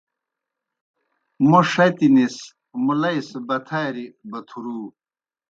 موں ݜَتنِس مُلئی سہ بتھاریْ بتھرُو۔